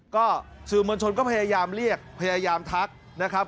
ก็สื่อมวลชนก็พยายามเรียกพยายามทักนะครับ